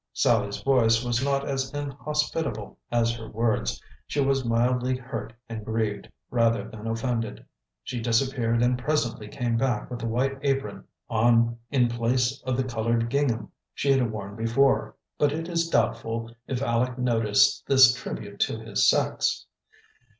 Sallie's voice was not as inhospitable as her words. She was mildly hurt and grieved, rather than offended. She disappeared and presently came back with a white apron on in place of the colored gingham she had worn before; but it is doubtful if Aleck noticed this tribute to his sex.